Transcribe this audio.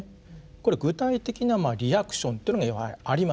これ具体的なリアクションっていうのがあります。